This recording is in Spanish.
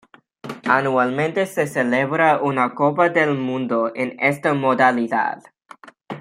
Anualmente se celebra una copa del mundo de esta modalidad.